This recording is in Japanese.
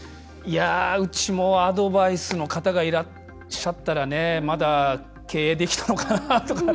うちも、アドバイスの方がいらっしゃったらまだ経営できたのかなとか。